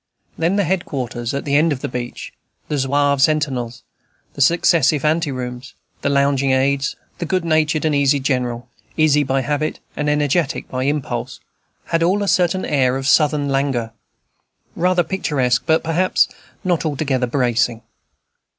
Then the head quarters at the end of the beach, the Zouave sentinels, the successive anterooms, the lounging aids, the good natured and easy General, easy by habit and energetic by impulse, all had a certain air of Southern languor, rather picturesque, but perhaps not altogether bracing.